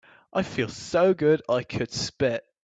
I feel so good I could spit.